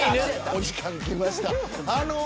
お時間が来ました。